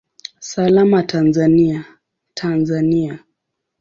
Salama Tanzania, Tanzania!